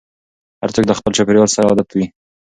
هر څوک له خپل چاپېريال سره عادت وي.